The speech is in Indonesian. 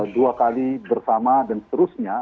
dua kali bersama dan seterusnya